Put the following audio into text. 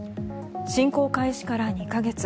侵攻開始から２か月。